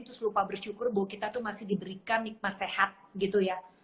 terus lupa bersyukur bahwa kita tuh masih diberikan nikmat sehat gitu ya